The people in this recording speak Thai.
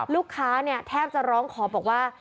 ลูกค้าเนี่ยแทบจะร้องขอบอกว่า